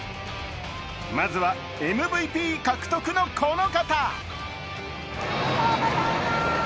まずはＭＶＰ獲得のこの方。